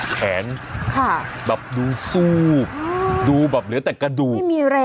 แขนค่ะแบบดูสู้ดูแบบเหลือแต่กระดูกไม่มีแรง